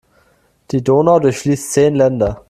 Die Donau durchfließt zehn Länder.